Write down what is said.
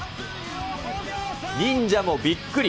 忍者もびっくり。